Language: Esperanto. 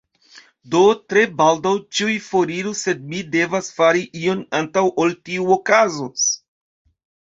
Do, tre baldaŭ ĉiuj foriros sed mi devas fari ion antaŭ ol tio okazos